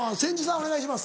お願いします。